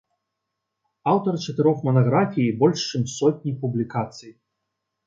Аўтар чатырох манаграфій і больш чым сотні публікацый.